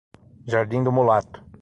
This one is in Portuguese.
Jardim do Mulato